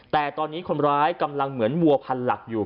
แต่ตอนนี้คนร้ายกำลังเหมือนวัวพันหลักอยู่